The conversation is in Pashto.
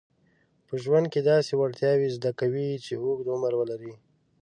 په ژوند کې داسې وړتیاوې زده کوي چې اوږد عمر ولري.